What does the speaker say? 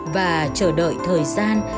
và chờ đợi thời gian